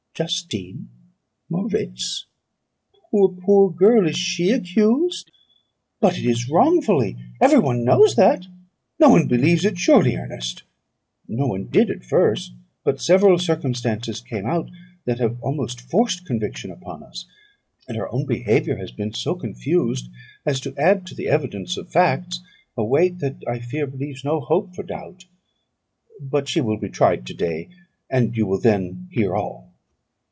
"Justine Moritz! Poor, poor girl, is she the accused? But it is wrongfully; every one knows that; no one believes it, surely, Ernest?" "No one did at first; but several circumstances came out, that have almost forced conviction upon us; and her own behaviour has been so confused, as to add to the evidence of facts a weight that, I fear, leaves no hope for doubt. But she will be tried to day, and you will then hear all."